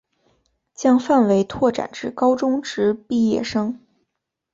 将范围拓展至高中职毕业生